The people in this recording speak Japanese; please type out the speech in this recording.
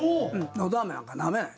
のど飴なんかなめない？